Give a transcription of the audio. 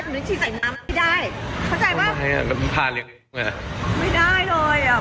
ถึงมันฉีดใส่น้ำไม่ได้เข้าใจป่ะแล้วมึงพาเลี้ยงไม่ได้เลยอ่ะ